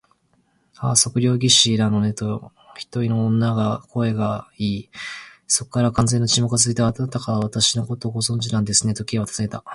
「ああ、測量技師なのね」と、一人の女の声がいい、それから完全な沈黙がつづいた。「あなたがたは私をご存じなんですね？」と、Ｋ はたずねた。